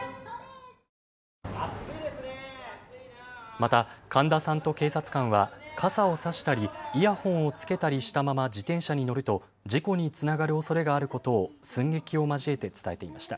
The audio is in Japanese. また神田さんと警察官は傘を差したりイヤホンをつけたりしたまま自転車に乗ると事故につながるおそれがあることを寸劇を交えて伝えていました。